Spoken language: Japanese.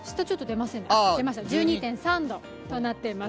１２．３度となっています。